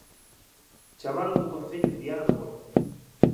Chamaron do Concello de Viana do Bolo